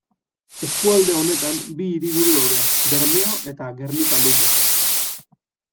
Eskualde honetan bi hiriburu daude: Bermeo eta Gernika-Lumo.